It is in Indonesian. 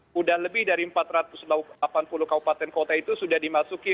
sudah lebih dari empat ratus delapan puluh kabupaten kota itu sudah dimasuki